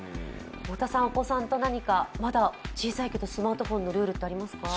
太田さん、お子さんと何かまだ小さいけどスマートフォンのルールってありますか？